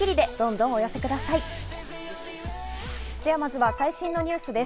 ではまずは最新のニュースです。